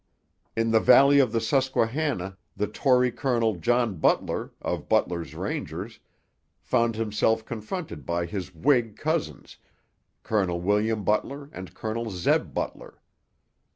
In the valley of the Susquehanna the Tory Colonel John Butler, of Butler's Rangers, found himself confronted by his Whig cousins, Colonel William Butler and Colonel Zeb Butler.